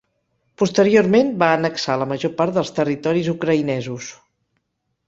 Posteriorment va annexar la major part dels territoris ucraïnesos.